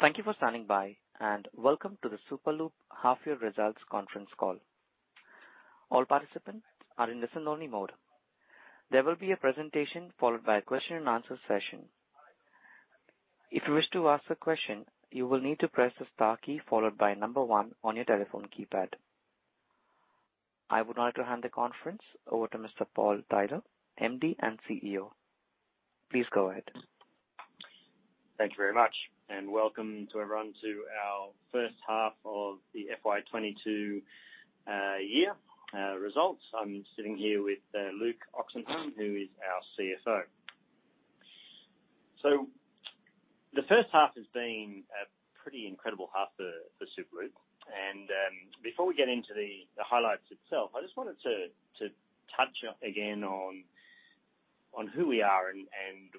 Thank you for standing by, and welcome to the Superloop half-year results conference call. All participants are in listen-only mode. There will be a presentation followed by a question-and-answer session. If you wish to ask a question, you will need to press the star key followed by number one on your telephone keypad. I would like to hand the conference over to Mr. Paul Tyler, MD and CEO. Please go ahead. Thank you very much, and welcome to everyone to our first half of FY 2022 results. I'm sitting here with Luke Oxenham, who is our CFO. The first half has been a pretty incredible half for Superloop. Before we get into the highlights itself, I just wanted to touch again on who we are and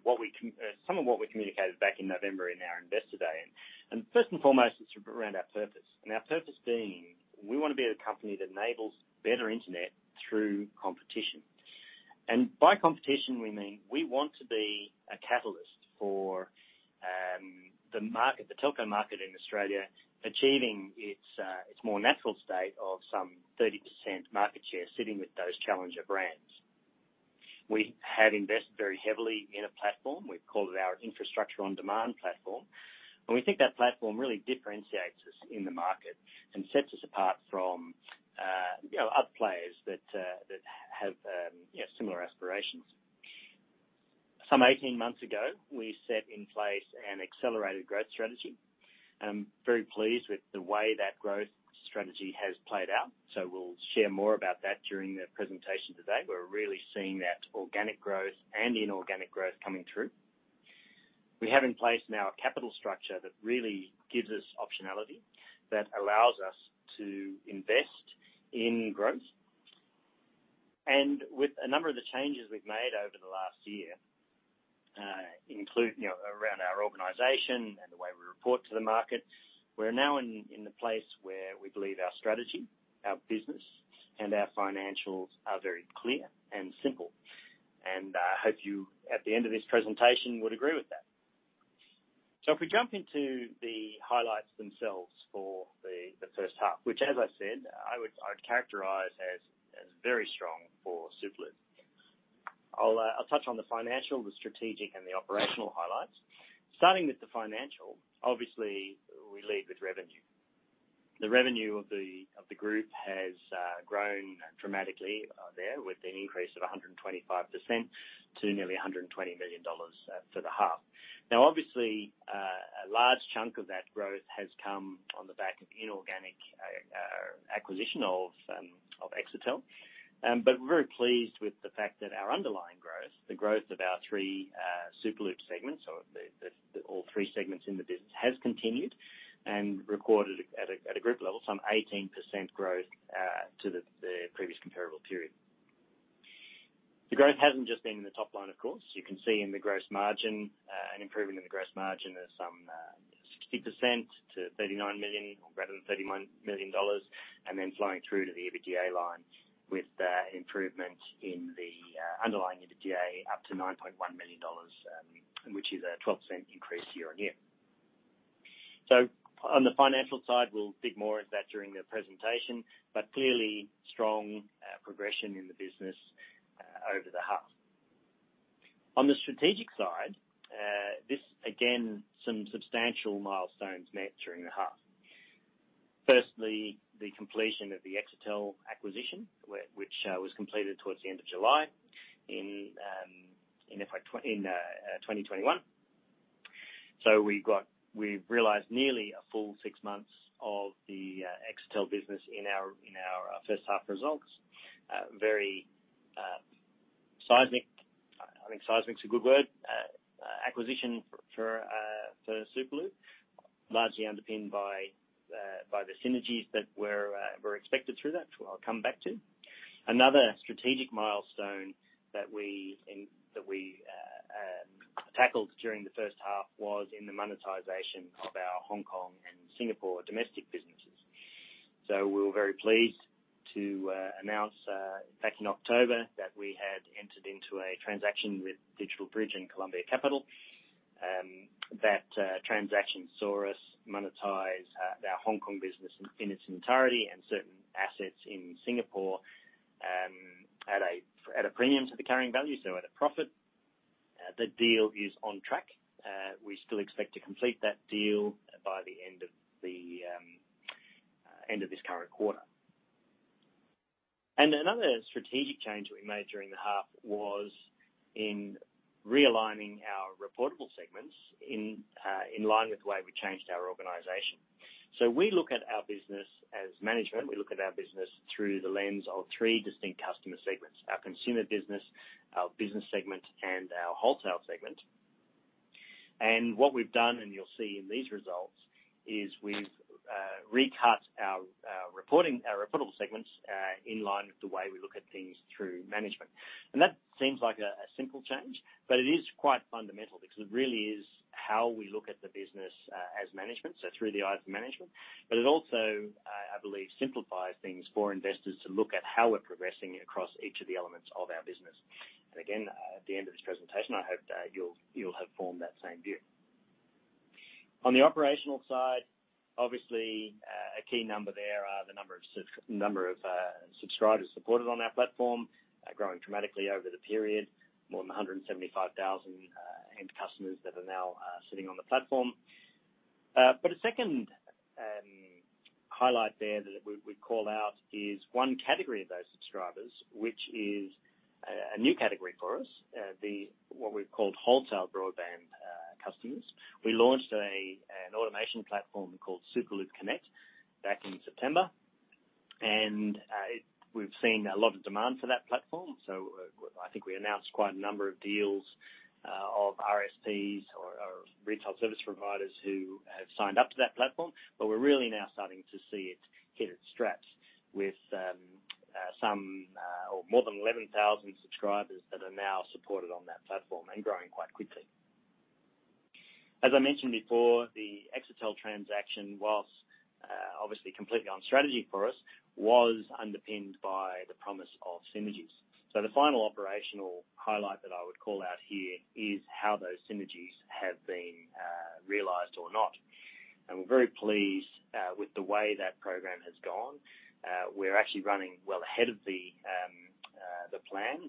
what we communicated back in November in our investor day. First and foremost, it's around our purpose, and our purpose being, we want to be a company that enables better internet through competition. By competition, we mean we want to be a catalyst for the market, the telco market in Australia, achieving its more natural state of some 30% market share sitting with those challenger brands. We have invested very heavily in a platform. We call it our Infrastructure on Demand platform, and we think that platform really differentiates us in the market and sets us apart from, you know, other players that have similar aspirations. Some 18 months ago, we set in place an accelerated growth strategy. I'm very pleased with the way that growth strategy has played out, so we'll share more about that during the presentation today. We're really seeing that organic growth and inorganic growth coming through. We have in place now a capital structure that really gives us optionality, that allows us to invest in growth. With a number of the changes we've made over the last year, you know, around our organization and the way we report to the market, we're now in a place where we believe our strategy, our business, and our financials are very clear and simple. I hope you, at the end of this presentation, would agree with that. If we jump into the highlights themselves for the first half, which as I said, I'd characterize as very strong for Superloop. I'll touch on the financial, the strategic, and the operational highlights. Starting with the financial, obviously, we lead with revenue. The revenue of the group has grown dramatically there with an increase of 125% to nearly 120 million dollars for the half. Now, obviously, a large chunk of that growth has come on the back of inorganic acquisition of Exetel. We're very pleased with the fact that our underlying growth, the growth of our 3 Superloop segments or all 3 segments in the business, has continued and recorded at a group level some 18% growth to the previous comparable period. The growth hasn't just been in the top line, of course. You can see in the gross margin an improvement in the gross margin of some 60% to 39 million or rather 31 million dollars, and then flowing through to the EBITDA line with improvement in the underlying EBITDA up to 9.1 million dollars, which is a 12% increase year-on-year. On the financial side, we'll dig more into that during the presentation, but clearly strong progression in the business over the half. On the strategic side, this again, some substantial milestones met during the half. Firstly, the completion of the Exetel acquisition, which was completed towards the end of July in FY 2021. We realized nearly a full six months of the Exetel business in our first half results. Very seismic, I think seismic is a good word, acquisition for Superloop, largely underpinned by the synergies that were expected through that, which I'll come back to. Another strategic milestone that we tackled during the first half was in the monetization of our Hong Kong and Singapore domestic businesses. We were very pleased to announce back in October that we had entered into a transaction with DigitalBridge and Columbia Capital. That transaction saw us monetize our Hong Kong business in its entirety and certain assets in Singapore at a premium to the carrying value, so at a profit. The deal is on track. We still expect to complete that deal by the end of this current quarter. Another strategic change we made during the half was in realigning our reportable segments in line with the way we changed our organization. We look at our business as management. We look at our business through the lens of three distinct customer segments: our consumer business, our business segment, and our wholesale segment. What we've done, and you'll see in these results, is we've recut our reporting, our reportable segments, in line with the way we look at things through management. That seems like a simple change, but it is quite fundamental because it really is how we look at the business, as management, so through the eyes of management. But it also, I believe simplifies things for investors to look at how we're progressing across each of the elements of our business. Again, at the end of this presentation, I hope that you'll have formed that same view. On the operational side, obviously, a key number there is the number of subscribers supported on our platform are growing dramatically over the period, more than 175,000 end customers that are now sitting on the platform. But a second highlight there that we call out is one category of those subscribers, which is a new category for us, the what we've called wholesale broadband customers. We launched an automation platform called Superloop Connect back in September, and we've seen a lot of demand for that platform. I think we announced quite a number of deals of RSPs or retail service providers who have signed up to that platform. We're really now starting to see it hit its straps with more than 11,000 subscribers that are now supported on that platform and growing quite quickly. As I mentioned before, the Exetel transaction, while obviously completely on strategy for us, was underpinned by the promise of synergies. The final operational highlight that I would call out here is how those synergies have been realized or not. We're very pleased with the way that program has gone. We're actually running well ahead of the plan.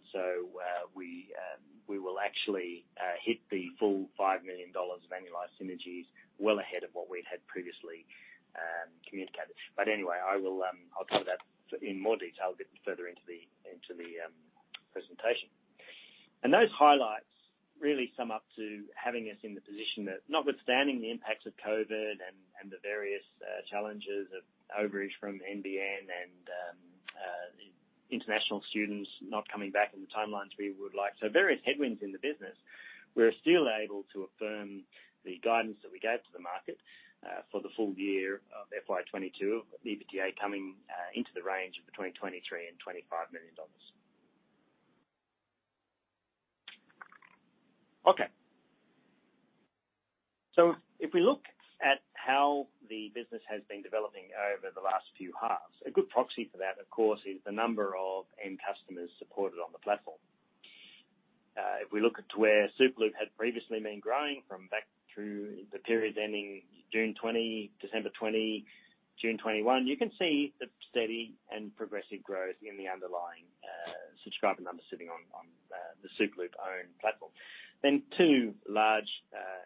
We will actually hit the full 5 million dollars of annualized synergies well ahead of what we'd had previously communicated. Anyway, I'll cover that in more detail a bit further into the presentation. Those highlights really sum up to having us in the position that notwithstanding the impacts of COVID and the various challenges of overage from NBN and international students not coming back in the timelines we would like. Various headwinds in the business, we're still able to affirm the guidance that we gave to the market for the full year of FY 2022, EBITDA coming into the range of between 23 million and 25 million dollars. Okay. If we look at how the business has been developing over the last few halves, a good proxy for that, of course, is the number of end customers supported on the platform. If we look at where Superloop had previously been growing from back through the periods ending June 2020, December 2020, June 2021, you can see the steady and progressive growth in the underlying subscriber numbers sitting on the Superloop-owned platform. Two large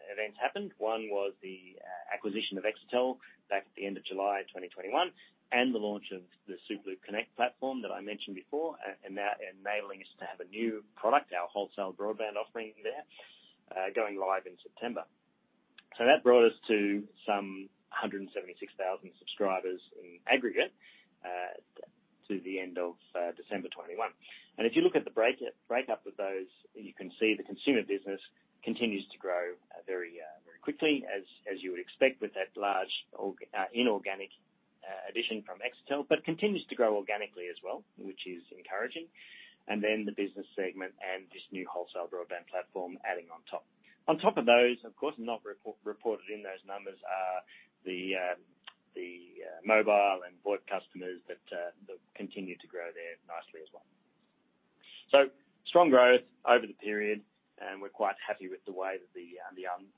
events happened. One was the acquisition of Exetel back at the end of July 2021, and the launch of the Superloop Connect platform that I mentioned before enabling us to have a new product, our wholesale broadband offering there, going live in September. That brought us to some 176,000 subscribers in aggregate to the end of December 2021. If you look at the breakup of those, you can see the consumer business continues to grow very quickly as you would expect with that large inorganic addition from Exetel, but continues to grow organically as well, which is encouraging. The business segment and this new wholesale broadband platform adding on top of those, of course, not reported in those numbers are the mobile and VoIP customers that continue to grow there nicely as well. Strong growth over the period, and we're quite happy with the way that the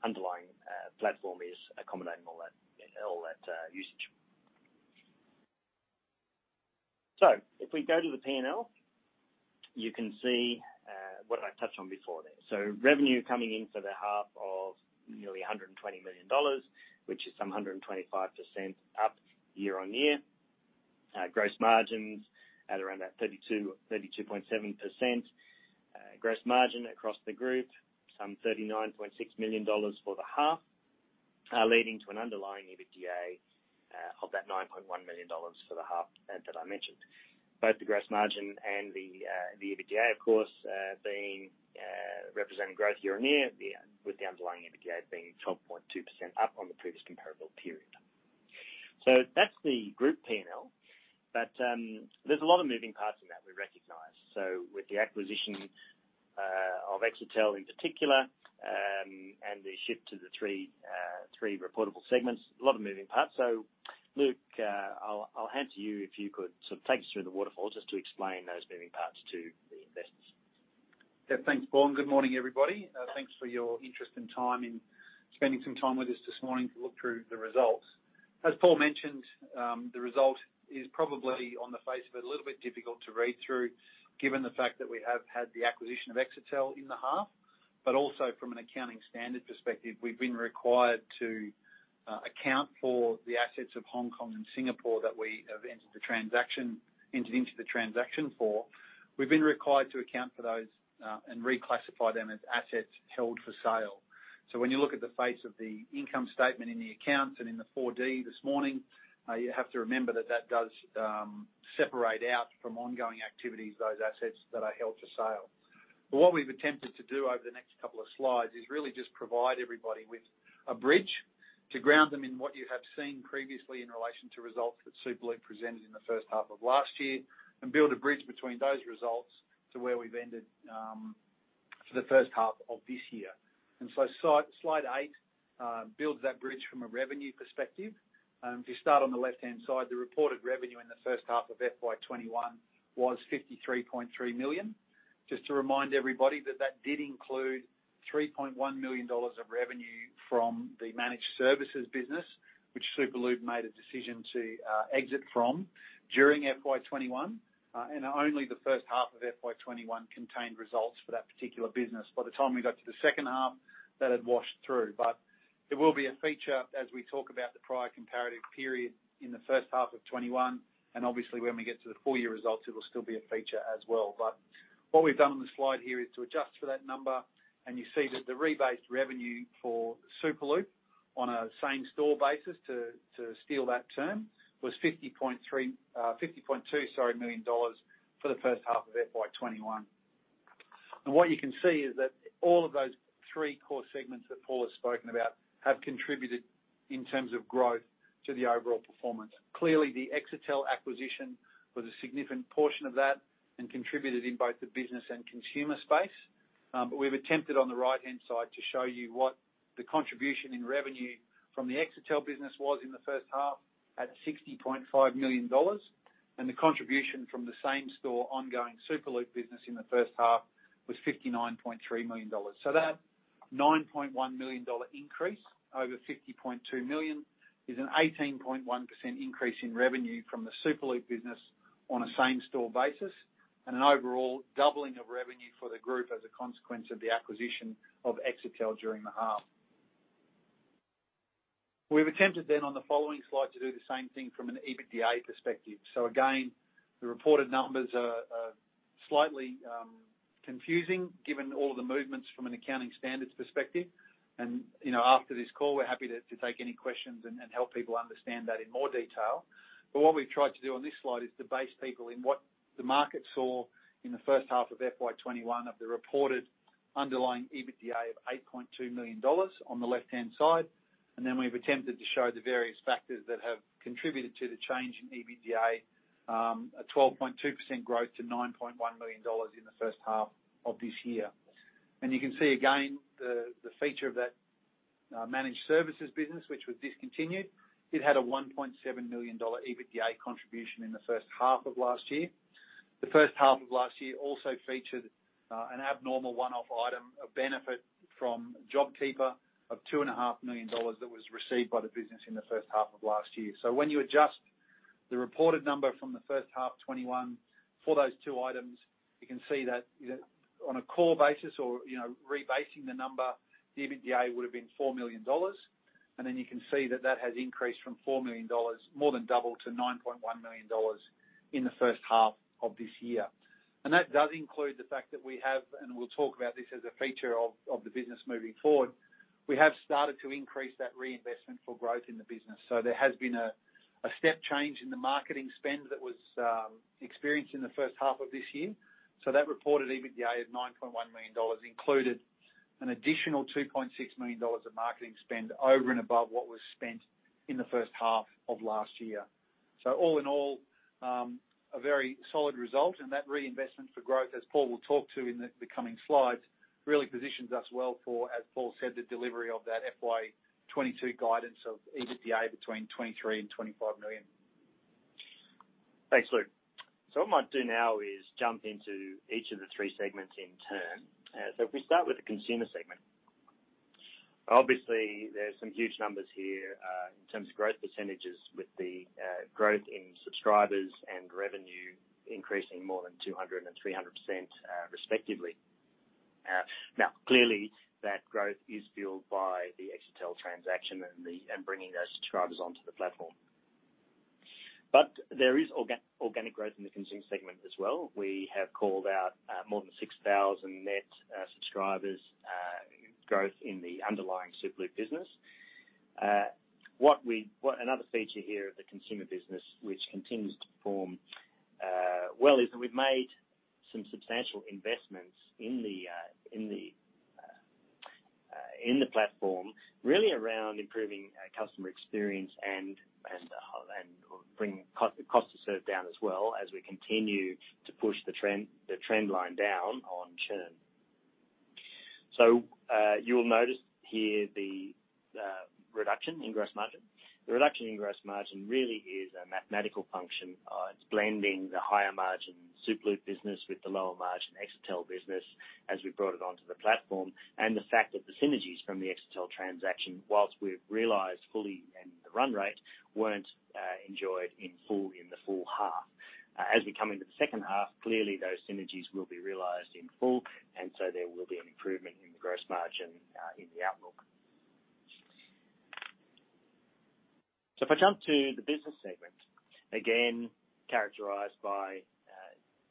underlying platform is accommodating all that usage. If we go to the P&L, you can see what I touched on before there. Revenue coming in for the half of nearly 120 million dollars, which is some 125% up year-on-year. Gross margins at around that 32.7%. Gross margin across the group, some 39.6 million dollars for the half, leading to an underlying EBITDA of that 9.1 million dollars for the half that I mentioned. Both the gross margin and the EBITDA, of course, being representing growth year-on-year with the underlying EBITDA being 12.2% up on the previous comparable period. That's the group P&L. There's a lot of moving parts in that we recognize. With the acquisition of Exetel in particular, and the shift to the three reportable segments, a lot of moving parts. Luke, I'll hand to you if you could sort of take us through the waterfall just to explain those moving parts to the investors. Yeah. Thanks, Paul, and good morning, everybody. Thanks for your interest and time in spending some time with us this morning to look through the results. As Paul mentioned, the result is probably on the face of it, a little bit difficult to read through, given the fact that we have had the acquisition of Exetel in the half, but also from an accounting standard perspective, we've been required to account for the assets of Hong Kong and Singapore that we have entered into the transaction for. We've been required to account for those, and reclassify them as assets held for sale. When you look at the face of the income statement in the accounts and in the 4D this morning, you have to remember that does separate out from ongoing activities, those assets that are held for sale. What we've attempted to do over the next couple of slides is really just provide everybody with a bridge to ground them in what you have seen previously in relation to results that Superloop presented in the first half of last year, and build a bridge between those results to where we've ended for the first half of this year. Slide eight builds that bridge from a revenue perspective. If you start on the left-hand side, the reported revenue in the first half of FY 2021 was 53.3 million. Just to remind everybody that that did include 3.1 million dollars of revenue from the managed services business, which Superloop made a decision to exit from during FY 2021. Only the first half of FY 2021 contained results for that particular business. By the time we got to the second half, that had washed through. It will be a feature as we talk about the prior comparative period in the first half of 2021, and obviously when we get to the full year results, it'll still be a feature as well. What we've done on the slide here is to adjust for that number, and you see that the rebased revenue for Superloop on a same-store basis, to steal that term, was 50.2 million dollars for the first half of FY 2021. What you can see is that all of those three core segments that Paul has spoken about have contributed in terms of growth to the overall performance. Clearly, the Exetel acquisition was a significant portion of that and contributed in both the business and consumer space. We've attempted on the right-hand side to show you what the contribution in revenue from the Exetel business was in the first half at 60.5 million dollars. The contribution from the same-store ongoing Superloop business in the first half was 59.3 million dollars. That 9.1 million dollar increase over 50.2 million is an 18.1% increase in revenue from the Superloop business on a same-store basis, and an overall doubling of revenue for the group as a consequence of the acquisition of Exetel during the half. We've attempted then on the following slide to do the same thing from an EBITDA perspective. Again, the reported numbers are slightly confusing given all the movements from an accounting standards perspective. You know, after this call, we're happy to take any questions and help people understand that in more detail. What we've tried to do on this slide is to brief people in what the market saw in the first half of FY 2021 of the reported underlying EBITDA of 8.2 million dollars on the left-hand side. Then we've attempted to show the various factors that have contributed to the change in EBITDA, a 12.2% growth to 9.1 million dollars in the first half of this year. You can see again the feature of that managed services business, which was discontinued. It had a 1.7 million dollar EBITDA contribution in the first half of last year. The first half of last year also featured an abnormal one-off item of benefit from JobKeeper of 2.5 million dollars that was received by the business in the first half of last year. When you adjust the reported number from the first half 2021 for those two items, you can see that, you know, on a core basis or, you know, rebasing the number, the EBITDA would have been 4 million dollars. You can see that that has increased from 4 million dollars, more than double to 9.1 million dollars in the first half of this year. That does include the fact that we have, and we'll talk about this as a feature of the business moving forward, we have started to increase that reinvestment for growth in the business. There has been a step change in the marketing spend that was experienced in the first half of this year. That reported EBITDA of 9.1 million dollars included an additional 2.6 million dollars of marketing spend over and above what was spent in the first half of last year. All in all, a very solid result. That reinvestment for growth, as Paul will talk to in the coming slides, really positions us well for, as Paul said, the delivery of that FY 2022 guidance of EBITDA between 23 million and 25 million. Thanks, Luke. What I might do now is jump into each of the three segments in turn. If we start with the consumer segment. Obviously, there's some huge numbers here in terms of growth percentages with the growth in subscribers and revenue increasing more than 200% and 300%, respectively. Now, clearly that growth is fueled by the Exetel transaction and bringing those subscribers onto the platform. But there is organic growth in the consumer segment as well. We have called out more than 6,000 net subscribers growth in the underlying Superloop business. Another feature here of the consumer business, which continues to perform well, is that we've made some substantial investments in the platform, really around improving customer experience and bringing cost to serve down as well as we continue to push the trend line down on churn. You will notice here the reduction in gross margin. The reduction in gross margin really is a mathematical function. It's blending the higher margin Superloop business with the lower margin Exetel business as we brought it onto the platform. The fact that the synergies from the Exetel transaction, while we've realized fully in the run rate, weren't enjoyed in full in the full half. As we come into the second half, clearly those synergies will be realized in full, and so there will be an improvement in the gross margin in the outlook. If I jump to the business segment, again, characterized by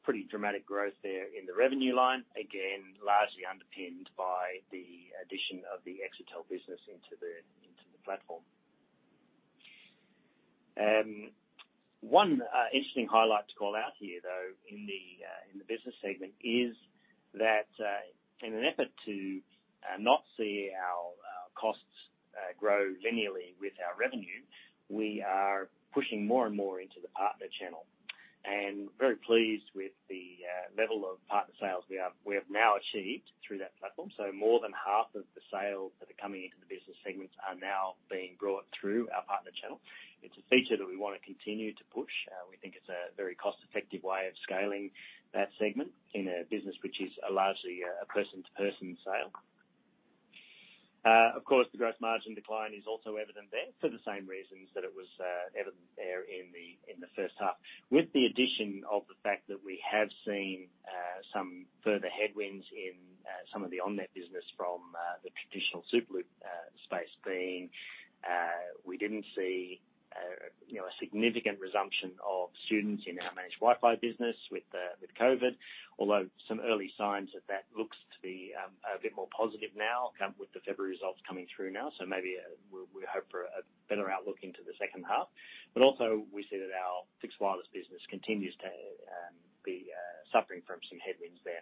pretty dramatic growth there in the revenue line, again, largely underpinned by the addition of the Exetel business into the platform. One interesting highlight to call out here, though, in the business segment is that, in an effort to not see our costs grow linearly with our revenue. We are pushing more and more into the partner channel. Very pleased with the level of partner sales we have now achieved through that platform. More than half of the sales that are coming into the business segments are now being brought through our partner channel. It's a feature that we wanna continue to push. We think it's a very cost-effective way of scaling that segment in a business which is largely a person-to-person sale. Of course, the gross margin decline is also evident there for the same reasons that it was evident there in the first half. With the addition of the fact that we have seen some further headwinds in some of the on-net business from the traditional Superloop space being we didn't see a significant resumption of students in our Managed Wi-Fi business with COVID. Although some early signs of that look to be a bit more positive now, with the February results coming through. Maybe we hope for a better outlook into the second half. Also we see that our fixed wireless business continues to be suffering from some headwinds there.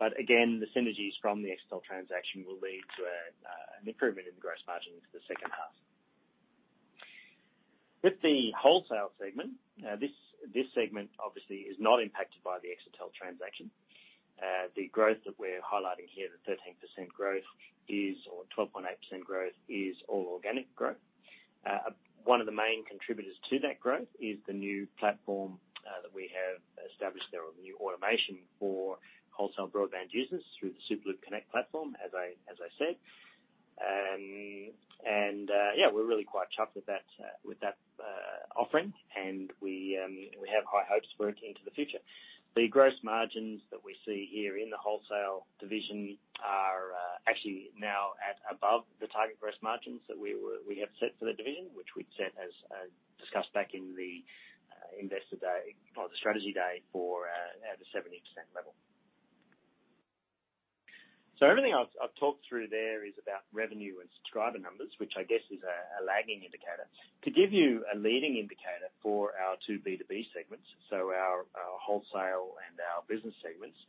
Also, the synergies from the Exetel transaction will lead to an improvement in gross margin into the second half. With the wholesale segment, this segment obviously is not impacted by the Exetel transaction. The growth that we're highlighting here, the 13% growth, or 12.8% growth, is all organic growth. One of the main contributors to that growth is the new platform that we have established there, or new automation for wholesale broadband users through the Superloop Connect platform, as I said. We're really quite chuffed with that offering, and we have high hopes for it into the future. The gross margins that we see here in the wholesale division are actually now above the target gross margins that we have set for the division, which we'd set as discussed back in the investor day or the strategy day at the 70% level. Everything I've talked through there is about revenue and subscriber numbers, which I guess is a lagging indicator. To give you a leading indicator for our two B2B segments, so our wholesale and our business segments,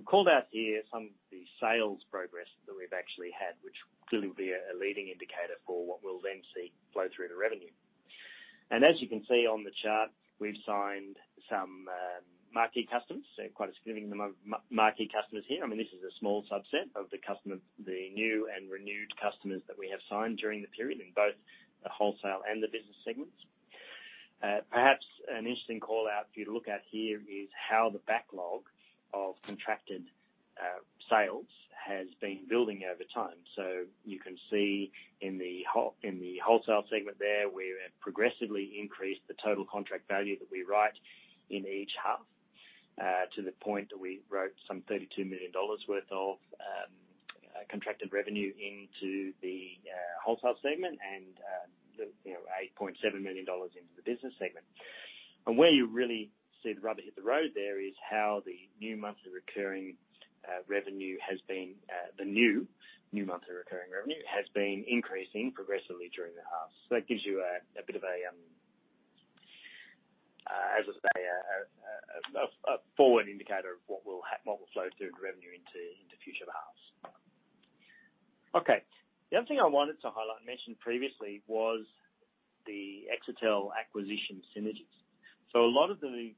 we've called out here some of the sales progress that we've actually had, which clearly will be a leading indicator for what we'll then see flow through to revenue. As you can see on the chart, we've signed some marquee customers. Quite a significant amount of marquee customers here. I mean, this is a small subset of the new and renewed customers that we have signed during the period in both the wholesale and the business segments. Perhaps an interesting callout for you to look at here is how the backlog of contracted sales has been building over time. You can see in the wholesale segment there, we have progressively increased the total contract value that we write in each half, to the point that we wrote some 32 million dollars worth of contracted revenue into the wholesale segment and the eight point 7 million dollars into the business segment. Where you really see the rubber hit the road there is how the new monthly recurring revenue has been increasing progressively during the half. That gives you a bit of a, as I say, a forward indicator of what will flow through to revenue into future halves. Okay. The other thing I wanted to highlight and mention previously was the Exetel acquisition synergies. A lot of the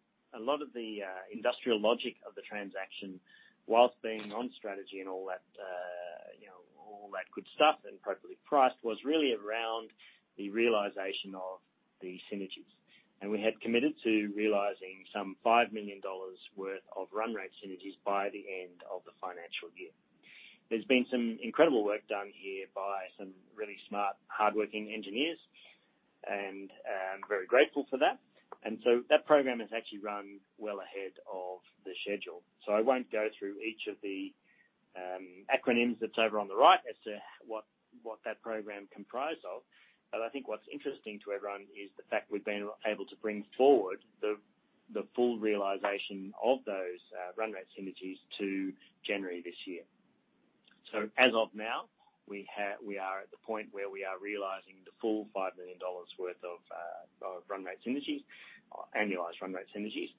industrial logic of the transaction, while being on strategy and all that, you know, all that good stuff and appropriately priced, was really around the realization of the synergies. We had committed to realizing some 5 million dollars worth of run rate synergies by the end of the financial year. There's been some incredible work done here by some really smart, hardworking engineers, and I'm very grateful for that. That program has actually run well ahead of the schedule. I won't go through each of the acronyms that's over on the right as to what that program comprised of. But I think what's interesting to everyone is the fact we've been able to bring forward the full realization of those run rate synergies to January this year. As of now, we are at the point where we are realizing the full 5 million dollars worth of run rate synergies, or annualized run rate synergies.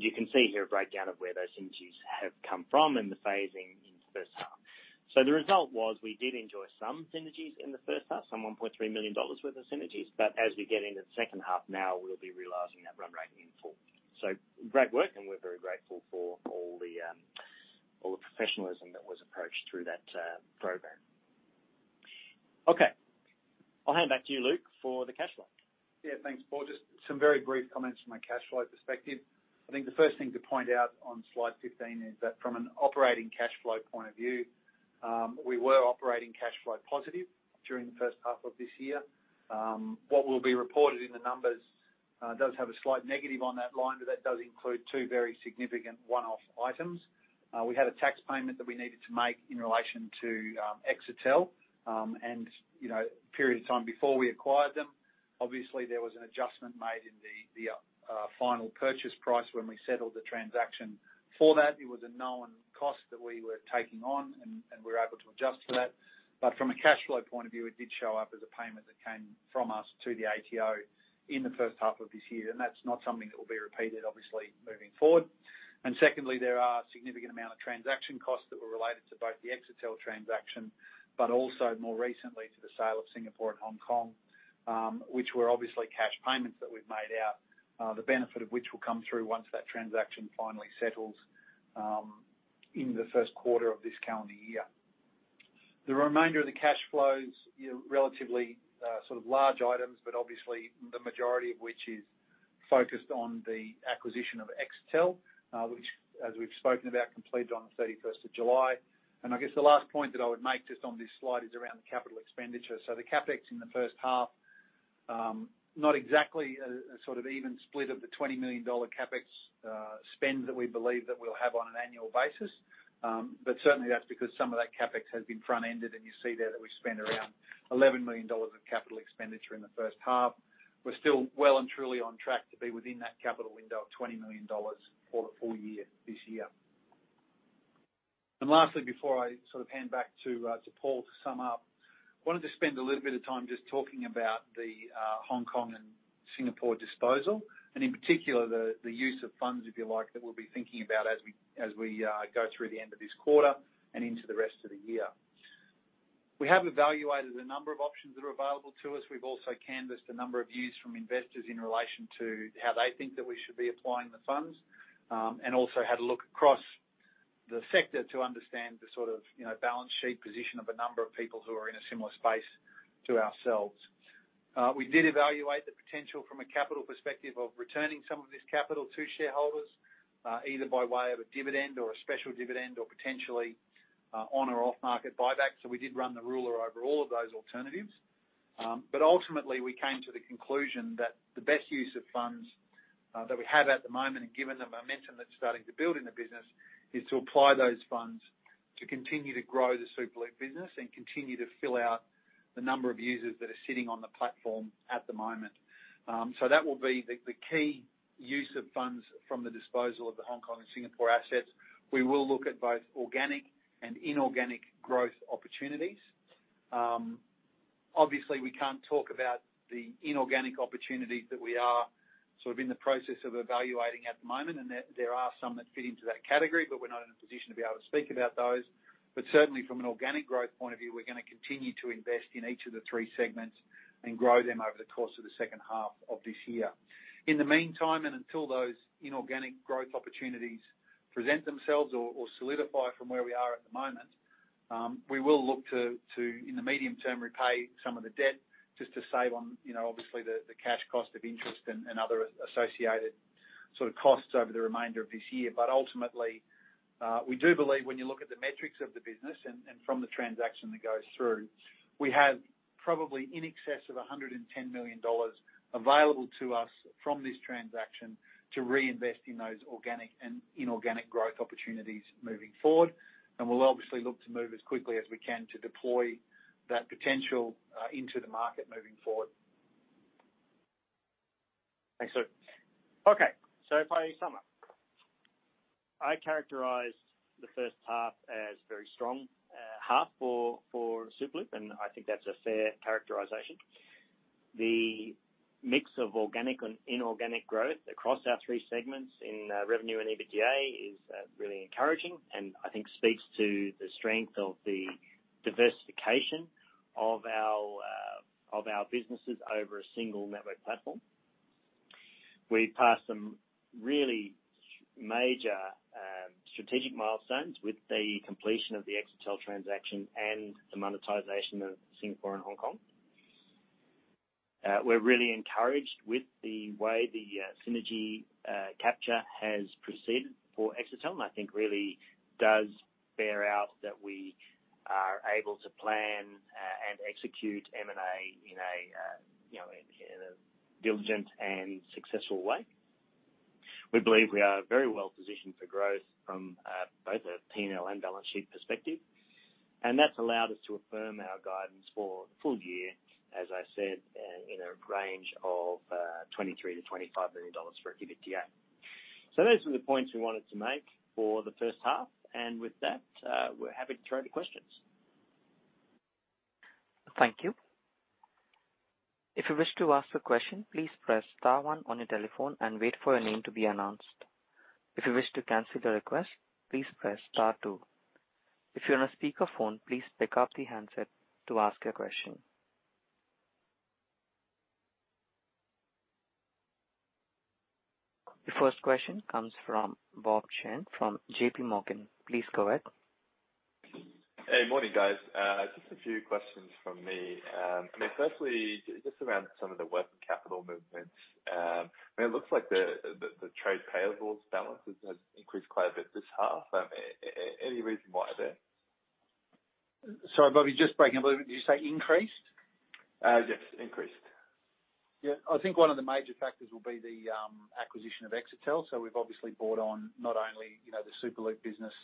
You can see here a breakdown of where those synergies have come from and the phasing in the first half. The result was we did enjoy some synergies in the first half, some 1.3 million dollars worth of synergies, but as we get into the second half now, we'll be realizing that run rate in full. Great work, and we're very grateful for all the professionalism that was approached through that program. Okay. I'll hand back to you, Luke, for the cash flow. Yeah, thanks, Paul. Just some very brief comments from a cash flow perspective. I think the first thing to point out on slide 15 is that from an operating cash flow point of view, we were operating cash flow positive during the first half of this year. What will be reported in the numbers does have a slight negative on that line, but that does include two very significant one-off items. We had a tax payment that we needed to make in relation to Exetel, you know, a period of time before we acquired them. Obviously, there was an adjustment made in the final purchase price when we settled the transaction for that. It was a known cost that we were taking on and we were able to adjust for that. From a cash flow point of view, it did show up as a payment that came from us to the ATO in the first half of this year, and that's not something that will be repeated, obviously, moving forward. Secondly, there are a significant amount of transaction costs that were related to both the Exetel transaction, but also more recently to the sale of Singapore and Hong Kong, which were obviously cash payments that we've made out, the benefit of which will come through once that transaction finally settles, in the first quarter of this calendar year. The remainder of the cash flows, you know, relatively, sort of large items, but obviously the majority of which is focused on the acquisition of Exetel, which as we've spoken about, completed on the 31st of July. I guess the last point that I would make just on this slide is around the capital expenditure. The CapEx in the first half, not exactly a sort of even split of the 20 million dollar CapEx spend that we believe that we'll have on an annual basis. Certainly that's because some of that CapEx has been front-ended, and you see there that we spent around 11 million dollars of capital expenditure in the first half. We're still well and truly on track to be within that capital window of 20 million dollars for the full year this year. Lastly, before I sort of hand back to Paul to sum up, I wanted to spend a little bit of time just talking about the Hong Kong and Singapore disposal, and in particular the use of funds, if you like, that we'll be thinking about as we go through the end of this quarter and into the rest of the year. We have evaluated a number of options that are available to us. We've also canvassed a number of views from investors in relation to how they think that we should be applying the funds. We also had a look across the sector to understand the sort of, you know, balance sheet position of a number of people who are in a similar space to ourselves. We did evaluate the potential from a capital perspective of returning some of this capital to shareholders, either by way of a dividend or a special dividend or potentially, on or off market buyback. We did run the rule over all of those alternatives. Ultimately we came to the conclusion that the best use of funds, that we have at the moment, and given the momentum that's starting to build in the business, is to apply those funds to continue to grow the Superloop business and continue to fill out the number of users that are sitting on the platform at the moment. That will be the key use of funds from the disposal of the Hong Kong and Singapore assets. We will look at both organic and inorganic growth opportunities. Obviously we can't talk about the inorganic opportunities that we are sort of in the process of evaluating at the moment, and there are some that fit into that category, but we're not in a position to be able to speak about those. Certainly from an organic growth point of view, we're gonna continue to invest in each of the three segments and grow them over the course of the second half of this year. In the meantime, and until those inorganic growth opportunities present themselves or solidify from where we are at the moment, we will look to in the medium term repay some of the debt just to save on, you know, obviously the cash cost of interest and other associated sort of costs over the remainder of this year. Ultimately, we do believe when you look at the metrics of the business and from the transaction that goes through, we have probably in excess of 110 million dollars available to us from this transaction to reinvest in those organic and inorganic growth opportunities moving forward. We'll obviously look to move as quickly as we can to deploy that potential into the market moving forward. Thanks, sir. Okay, if I sum up. I characterize the first half as very strong half for Superloop, and I think that's a fair characterization. The mix of organic and inorganic growth across our three segments in revenue and EBITDA is really encouraging, and I think speaks to the strength of the diversification of our businesses over a single network platform. We passed some really major strategic milestones with the completion of the Exetel transaction and the monetization of Singapore and Hong Kong. We're really encouraged with the way the synergy capture has proceeded for Exetel, and I think really does bear out that we are able to plan and execute M&A in a you know, in a diligent and successful way. We believe we are very well positioned for growth from both a P&L and balance sheet perspective. That's allowed us to affirm our guidance for the full year, as I said, in a range of 23 million-25 million dollars for EBITDA. Those are the points we wanted to make for the first half. With that, we're happy to take the questions. Thank you. If you wish to ask a question, please press star one on your telephone and wait for your name to be announced. If you wish to cancel the request, please press star two. If you're on a speakerphone, please pick up the handset to ask your question. The first question comes from Bob Chen from JPMorgan. Please go ahead. Hey, morning guys. Just a few questions from me. I mean, firstly, just around some of the working capital movements. I mean, it looks like the trade payables balances has increased quite a bit this half. Any reason why there? Sorry, Bob. Just breaking up a little bit. Did you say increased? Yes. Increased. Yeah. I think one of the major factors will be the acquisition of Exetel. We've obviously brought on not only, you know, the Superloop business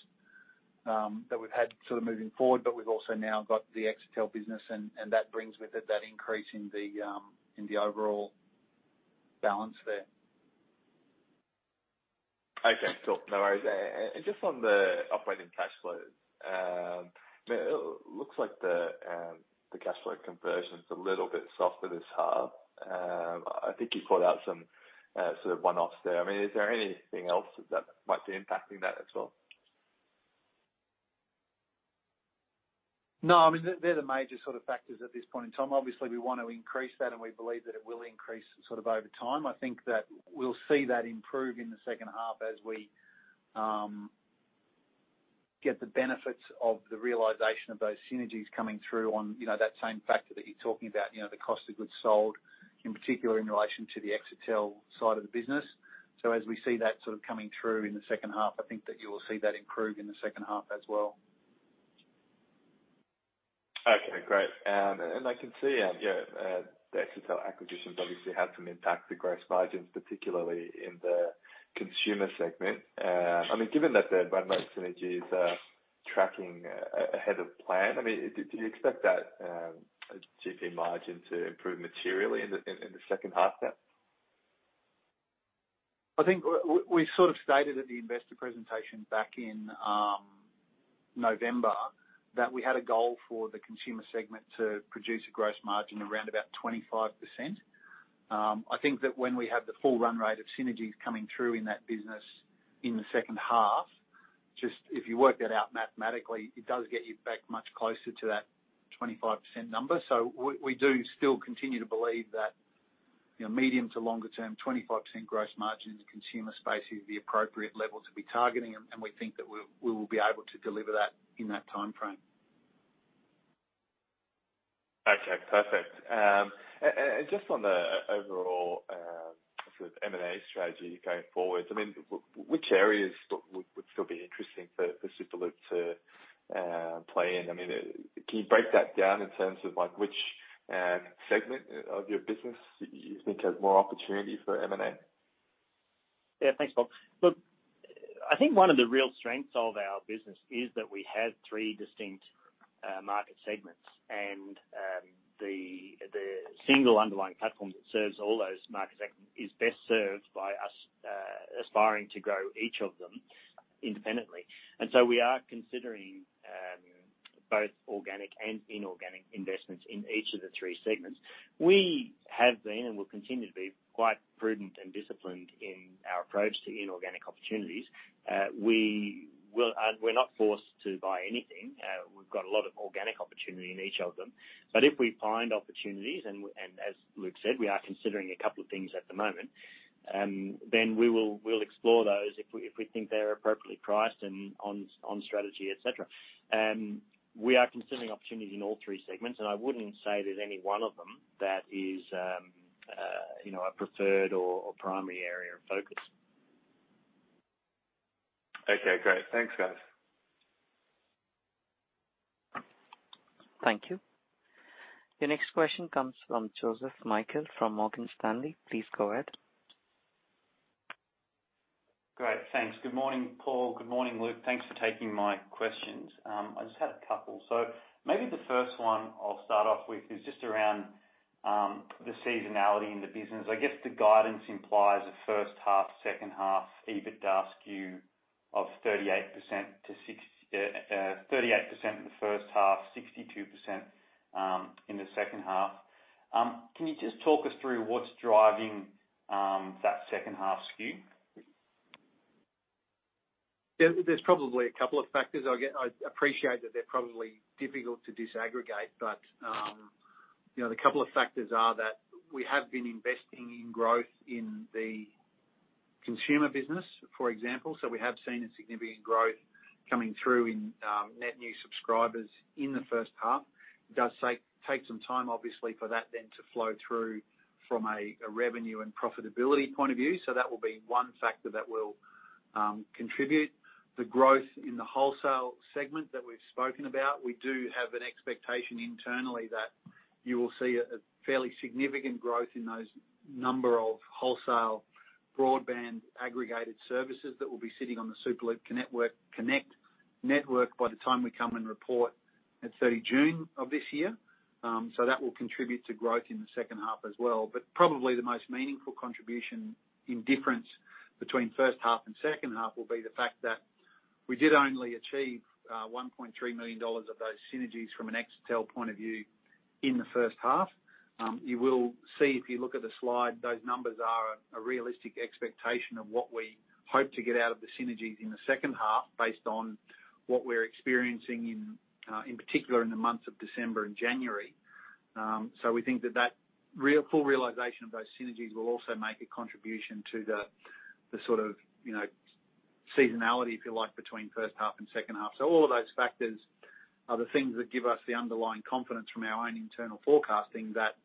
that we've had sort of moving forward, but we've also now got the Exetel business and that brings with it that increase in the overall balance there. Okay, cool. No worries. Just on the operating cash flows, it looks like the cash flow conversion's a little bit softer this half. I think you called out some sort of one-offs there. I mean, is there anything else that might be impacting that as well? No, I mean, they're the major sort of factors at this point in time. Obviously, we want to increase that, and we believe that it will increase sort of over time. I think that we'll see that improve in the second half as we get the benefits of the realization of those synergies coming through on, you know, that same factor that you're talking about, you know, the cost of goods sold, in particular, in relation to the Exetel side of the business. As we see that sort of coming through in the second half, I think that you will see that improve in the second half as well. Okay, great. I can see the Exetel acquisitions obviously had some impact to gross margins, particularly in the consumer segment. I mean, given that the run rate synergies are tracking ahead of plan, I mean, do you expect that GP margin to improve materially in the second half then? I think we sort of stated at the investor presentation back in November that we had a goal for the consumer segment to produce a gross margin around about 25%. I think that when we have the full run rate of synergies coming through in that business in the second half, just if you work that out mathematically, it does get you back much closer to that 25% number. We do still continue to believe that, you know, medium to longer term, 25% gross margin in the consumer space is the appropriate level to be targeting, and we think that we will be able to deliver that in that timeframe. Okay. Perfect. Just on the overall, sort of M&A strategy going forward, I mean, which areas would still be interesting for Superloop to play in? I mean, can you break that down in terms of, like, which segment of your business you think has more opportunity for M&A? Yeah, thanks, Paul. Look, I think one of the real strengths of our business is that we have three distinct market segments, and the single underlying platform that serves all those markets is best served by us aspiring to grow each of them independently. We are considering both organic and inorganic investments in each of the three segments. We have been and will continue to be quite prudent and disciplined in our approach to inorganic opportunities. We're not forced to buy anything. We've got a lot of organic opportunity in each of them. If we find opportunities, and as Luke said, we are considering a couple of things at the moment, then we'll explore those if we think they're appropriately priced and on strategy, et cetera. We are considering opportunities in all three segments, and I wouldn't say there's any one of them that is, you know, a preferred or primary area of focus. Okay, great. Thanks, guys. Thank you. Your next question comes from Joseph Michael from Morgan Stanley. Please go ahead. Great, thanks. Good morning, Paul. Good morning, Luke. Thanks for taking my questions. I just had a couple. Maybe the first one I'll start off with is just around the seasonality in the business. I guess the guidance implies a first half, second half EBITDA skew of 38% to 62%, 38% in the first half, 62% in the second half. Can you just talk us through what's driving that second half skew? Yeah, there's probably a couple of factors. I appreciate that they're probably difficult to disaggregate, but, you know, the couple of factors are that we have been investing in growth in the consumer business, for example, so we have seen a significant growth coming through in net new subscribers in the first half. It does take some time, obviously, for that then to flow through from a revenue and profitability point of view. That will be one factor that will contribute. The growth in the wholesale segment that we've spoken about, we do have an expectation internally that you will see a fairly significant growth in those number of wholesale broadband aggregated services that will be sitting on the Superloop Connect network by the time we come and report at 30 June of this year. That will contribute to growth in the second half as well. Probably the most meaningful contribution in difference between first half and second half will be the fact that we did only achieve 1.3 million dollars of those synergies from an Exetel point of view in the first half. You will see, if you look at the slide, those numbers are a realistic expectation of what we hope to get out of the synergies in the second half based on what we're experiencing in particular in the months of December and January. We think that full realization of those synergies will also make a contribution to the sort of, you know, seasonality, if you like, between first half and second half. All of those factors are the things that give us the underlying confidence from our own internal forecasting that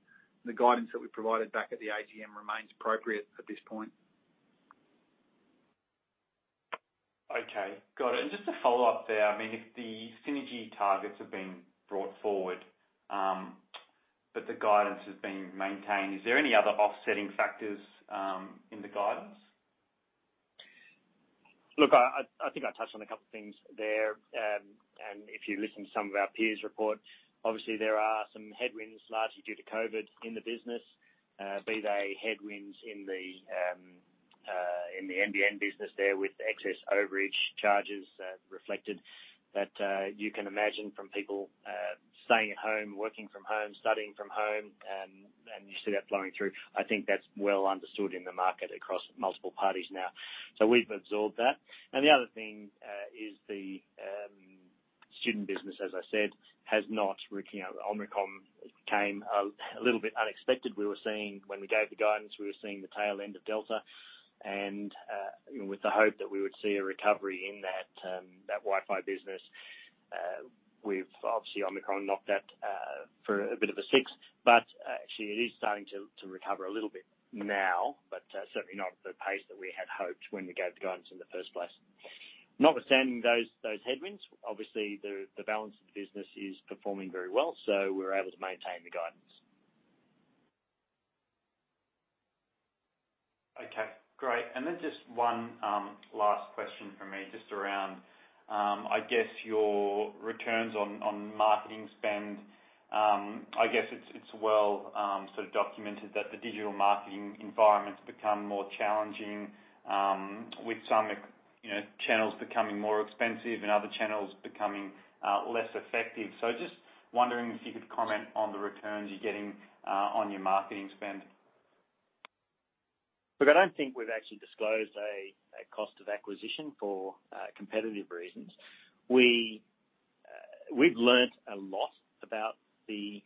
the guidance that we provided back at the AGM remains appropriate at this point. Okay. Got it. Just a follow-up there. I mean, if the synergy targets have been brought forward, but the guidance has been maintained, is there any other offsetting factors in the guidance? Look, I think I touched on a couple of things there. If you listen to some of our peers' reports, obviously there are some headwinds, largely due to COVID in the business, be they headwinds in the NBN business there with excess overage charges, reflected that, you can imagine from people staying at home, working from home, studying from home, and you see that flowing through. I think that's well understood in the market across multiple parties now. We've absorbed that. The other thing is the student business, as I said, has not freaking out. Omicron came a little bit unexpected. When we gave the guidance, we were seeing the tail end of Delta. with the hope that we would see a recovery in that Wi-Fi business. Obviously, Omicron knocked that for a bit of a six, but actually it is starting to recover a little bit now, but certainly not at the pace that we had hoped when we gave the guidance in the first place. Notwithstanding those headwinds, obviously the balance of the business is performing very well, so we're able to maintain the guidance. Okay, great. Just one last question from me, just around I guess your returns on marketing spend. I guess it's well sort of documented that the digital marketing environment's become more challenging with some, you know, channels becoming more expensive and other channels becoming less effective. Just wondering if you could comment on the returns you're getting on your marketing spend. Look, I don't think we've actually disclosed a cost of acquisition for competitive reasons. We've learned a lot about the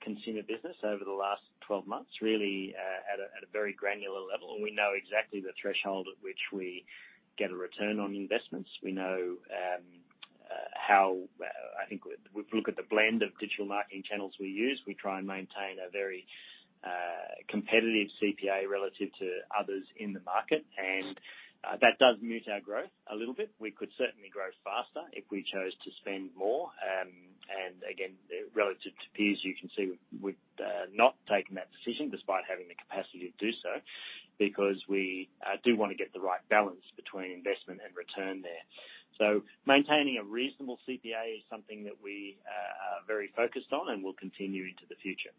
consumer business over the last 12 months, really, at a very granular level. We know exactly the threshold at which we get a return on investments. I think we've looked at the blend of digital marketing channels we use. We try and maintain a very competitive CPA relative to others in the market, and that does mute our growth a little bit. We could certainly grow faster if we chose to spend more. Again, relative to peers, you can see we've not taken that decision despite having the capacity to do so, because we do want to get the right balance between investment and return there. Maintaining a reasonable CPA is something that we are very focused on and will continue into the future.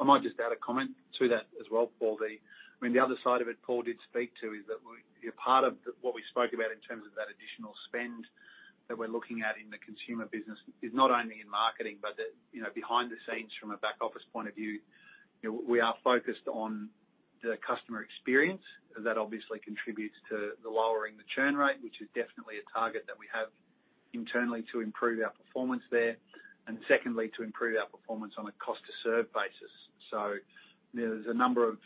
I might just add a comment to that as well, Paul. I mean, the other side of it, Paul did speak to, is that a part of what we spoke about in terms of that additional spend that we're looking at in the consumer business is not only in marketing, but the, you know, behind the scenes from a back office point of view. You know, we are focused on the customer experience. That obviously contributes to lowering the churn rate, which is definitely a target that we have internally to improve our performance there, and secondly, to improve our performance on a cost to serve basis. There's a number of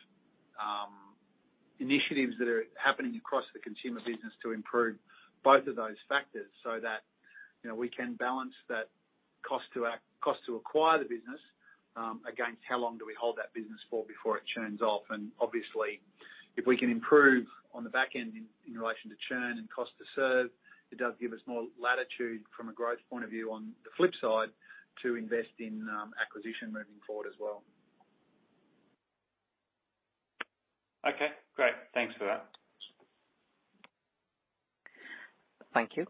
initiatives that are happening across the consumer business to improve both of those factors so that, you know, we can balance that cost to acquire the business against how long do we hold that business for before it churns off. Obviously, if we can improve on the back end in relation to churn and cost to serve, it does give us more latitude from a growth point of view on the flip side to invest in acquisition moving forward as well. Okay, great. Thanks for that. Thank you.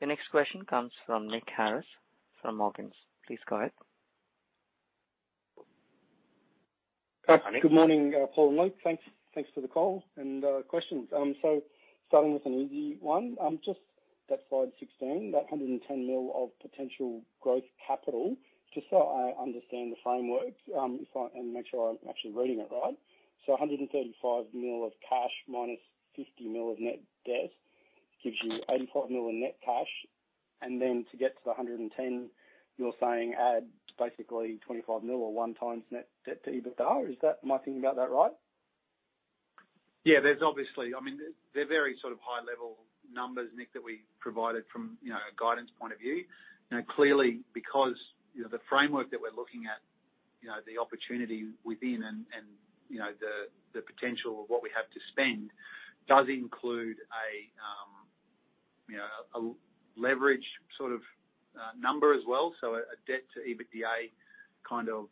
The next question comes from Nick Harris from Morgans. Please go ahead. Good morning, Paul and Luke. Thanks for the call and questions. Starting with an easy one, just that slide 16, that 110 million of potential growth capital. Just so I understand the framework and make sure I'm actually reading it right. 135 million of cash -50 million of net debt gives you 85 million in net cash. To get to the 110 million, you're saying add basically 25 million or 1x net debt to EBITDA. Is that right? Am I thinking about that right? Yeah. There's obviously, I mean, they're very sort of high-level numbers, Nick, that we provided from, you know, a guidance point of view. You know, clearly because, you know, the framework that we're looking at, you know, the opportunity within and, you know, the potential of what we have to spend does include a, you know, a leverage sort of number as well. A debt to EBITDA kind of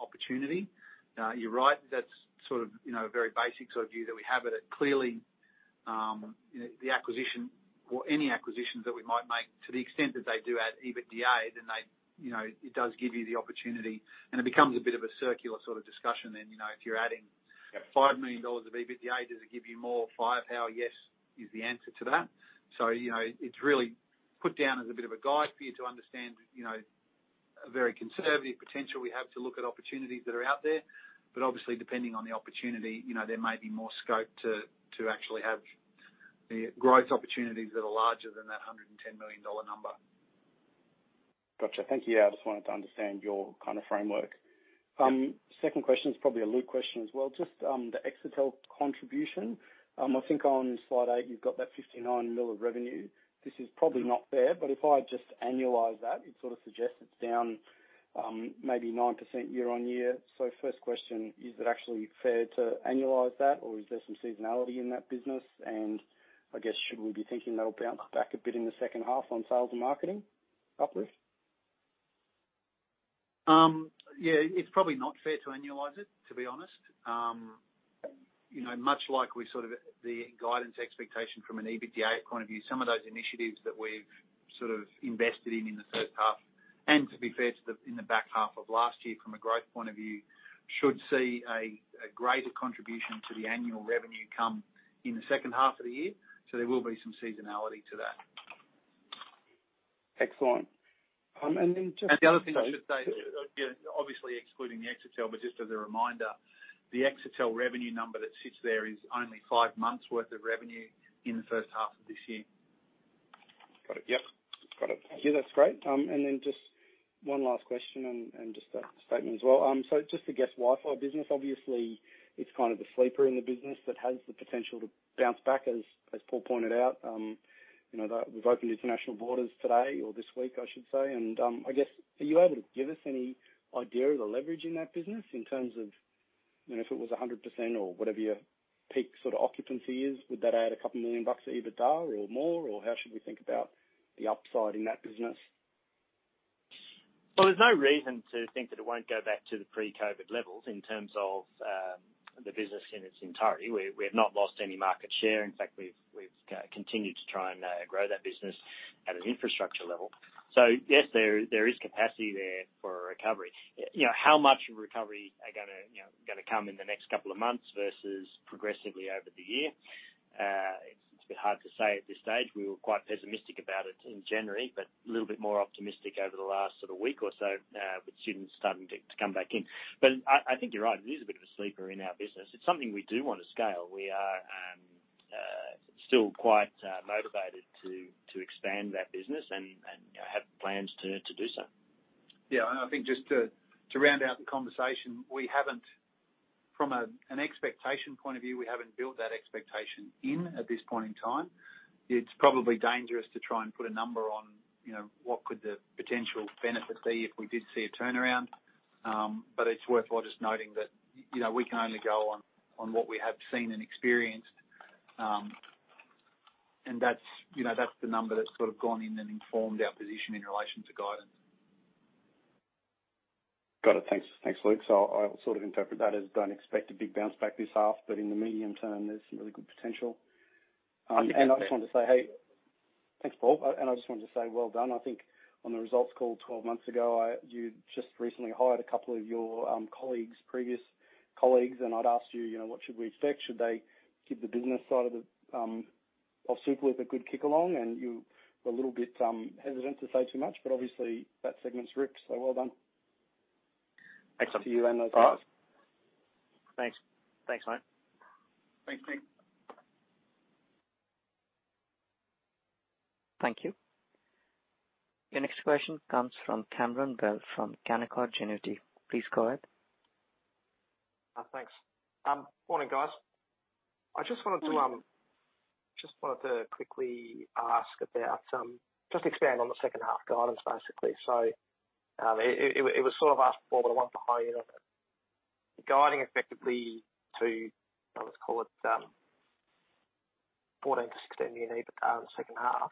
opportunity. Now, you're right, that's sort of, you know, a very basic sort of view that we have at it. Clearly, the acquisition or any acquisitions that we might make to the extent that they do add EBITDA, then they, you know, it does give you the opportunity, and it becomes a bit of a circular sort of discussion then, you know. If you're adding 5 million dollars of EBITDA, does it give you more firepower? Yes, is the answer to that. You know, it's really put down as a bit of a guide for you to understand, you know, a very conservative potential we have to look at opportunities that are out there. Obviously, depending on the opportunity, you know, there may be more scope to actually have the growth opportunities that are larger than that 110 million dollar number. Gotcha. Thank you. Yeah, I just wanted to understand your kind of framework. Second question is probably a Luke question as well. Just the Exetel contribution. I think on slide 8 you've got that 59 million of revenue. This is probably not fair, but if I just annualize that, it sort of suggests it's down maybe 9% year-on-year. First question, is it actually fair to annualize that or is there some seasonality in that business? And I guess should we be thinking that'll bounce back a bit in the second half on sales and marketing upwards? Yeah, it's probably not fair to annualize it, to be honest. You know, much like our sort of guidance expectation from an EBITDA point of view, some of those initiatives that we've sort of invested in the first half. To be fair, in the back half of last year from a growth point of view, should see a greater contribution to the annual revenue come in the second half of the year. There will be some seasonality to that. Excellent. The other thing I should say, you know, obviously excluding the Exetel, but just as a reminder, the Exetel revenue number that sits there is only five months worth of revenue in the first half of this year. Got it. Yep. Got it. Thank you. That's great. Just one last question and just a statement as well. Just the Guest WiFi business, obviously it's kind of a sleeper in the business that has the potential to bounce back, as Paul pointed out. You know, that we've opened international borders today or this week, I should say. I guess, are you able to give us any idea of the leverage in that business in terms of, you know, if it was 100% or whatever your peak sort of occupancy is, would that add a couple million bucks to EBITDA or more? Or how should we think about the upside in that business? Well, there's no reason to think that it won't go back to the pre-COVID levels in terms of the business in its entirety. We have not lost any market share. In fact, we've continued to try and grow that business at an infrastructure level. Yes, there is capacity there for a recovery. You know, how much recovery are gonna you know come in the next couple of months versus progressively over the year? It's a bit hard to say at this stage. We were quite pessimistic about it in January, but a little bit more optimistic over the last sort of week or so with students starting to come back in. I think you're right, it is a bit of a sleeper in our business. It's something we do want to scale. We are still quite motivated to expand that business and you know have plans to do so. I think just to round out the conversation. From an expectation point of view, we haven't built that expectation in at this point in time. It's probably dangerous to try and put a number on, you know, what could the potential benefit be if we did see a turnaround. It's worthwhile just noting that, you know, we can only go on what we have seen and experienced. That's, you know, the number that's sort of gone in and informed our position in relation to guidance. Got it. Thanks. Thanks, Luke. I'll sort of interpret that as don't expect a big bounce back this half, but in the medium term there's some really good potential. I think that's fair. I just wanted to say, hey. Thanks, Paul. I just wanted to say well done. I think on the results call 12 months ago, you'd just recently hired a couple of your previous colleagues, and I'd asked you know, what should we expect? Should they give the business side of Superloop a good kick along? You were a little bit hesitant to say too much, but obviously that segment's ripped, so well done. Excellent. To you and those guys. Thanks. Thanks, mate. Thanks, Luke. Thank you. Your next question comes from Cameron Bell from Canaccord Genuity. Please go ahead. Thanks. Morning, guys. I just wanted to quickly ask about just expand on the second half guidance basically. It was sort of asked before, but I wanted to follow up on it. Guiding effectively to, I would call it, 14-16 million EBITDA in the second half.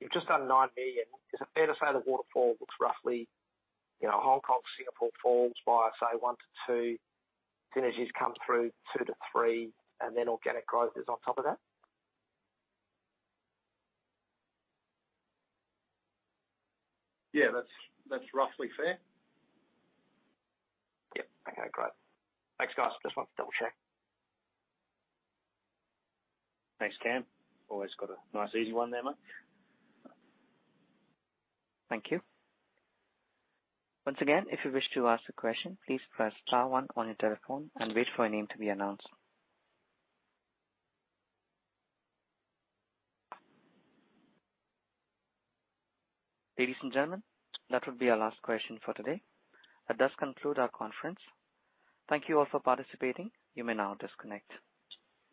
You've just done 9 million. Is it fair to say the waterfall looks roughly, you know, Hong Kong, Singapore falls by, say, 1-2, synergies come through 2-3, and then organic growth is on top of that? Yeah, that's roughly fair. Yep. Okay, great. Thanks, guys. Just wanted to double-check. Thanks, Cam. Always got a nice easy one there, mate. Thank you. Once again, if you wish to ask a question, please press star one on your telephone and wait for your name to be announced. Ladies and gentlemen, that would be our last question for today. That does conclude our conference. Thank you all for participating. You may now disconnect.